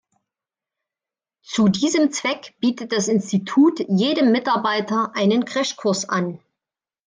Zu diesem Zweck bietet das Institut jedem Mitarbeiter einen Crashkurs an.